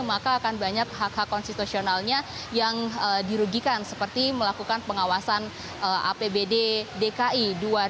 maka akan banyak hak hak konstitusionalnya yang dirugikan seperti melakukan pengawasan apbd dki dua ribu dua puluh